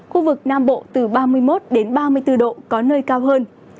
khu vực nam bộ từ ba mươi một ba mươi bốn độ có nơi cao hơn